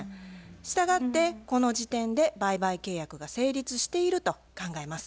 したがってこの時点で売買契約が成立していると考えます。